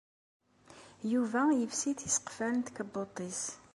Yuba yefsi tiseqfal n tkebbuḍt-is.